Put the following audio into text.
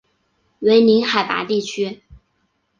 为零海拔地区。